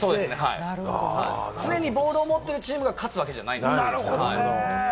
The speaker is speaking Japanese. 常にボールを持っているチームが勝つわけじゃないということです。